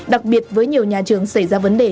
đặc biệt với nhiều nhà trường xảy ra vấn đề